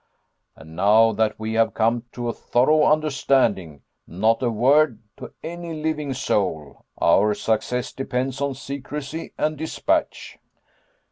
"And now that we have come to a thorough understanding, not a word to any living soul. Our success depends on secrecy and dispatch."